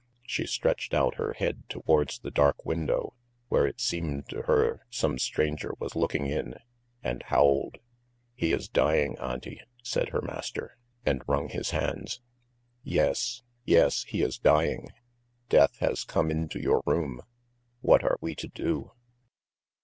She stretched out her head towards the dark window, where it seemed to her some stranger was looking in, and howled. "He is dying, Auntie!" said her master, and wrung his hands. "Yes, yes, he is dying! Death has come into your room. What are we to do?"